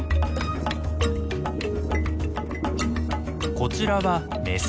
こちらはメス。